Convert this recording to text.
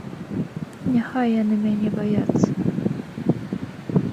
Няхай яны мяне баяцца!